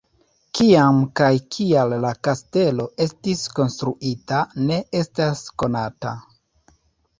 Kiam kaj kial la kastelo estis konstruita ne estas konata.